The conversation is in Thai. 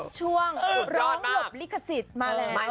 ช่วงร้องหลบลิขสิทธิ์มาแล้ว